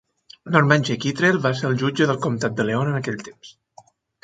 Norman G. Kittrell va ser el jutge del comtat de Leon en aquells temps.